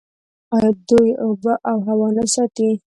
آیا دوی اوبه او هوا نه ساتي؟